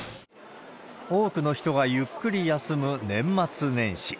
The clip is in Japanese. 多くの人がゆっくり休む年末年始。